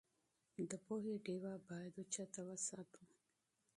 د پوهې ډېوه باید بلنده وساتو.